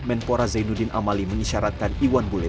menpora zainuddin amali mengisyaratkan iwan bulet